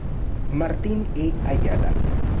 Martín E. Ayala".